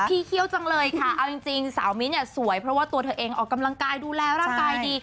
เขี้ยวจังเลยค่ะเอาจริงสาวมิ้นท์เนี่ยสวยเพราะว่าตัวเธอเองออกกำลังกายดูแลร่างกายดี